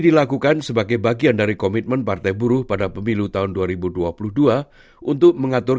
dilakukan sebagai bagian dari komitmen partai buruh pada pemilu tahun dua ribu dua puluh dua untuk mengatur